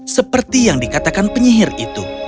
seperti yang dikatakan penyihir itu